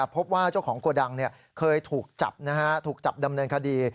พบว่าเจ้าของโกดังเคยถูกจับถูกจับดำเนินคดี